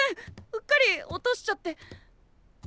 うっかり落としちゃって。